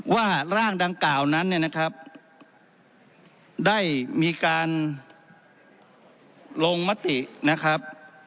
ว่าร่างดังกล่าวนั้นเนี่ยนะครับได้มีการลงมตินะครับ